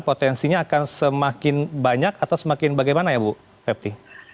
potensinya akan semakin banyak atau semakin bagaimana ya bu pepty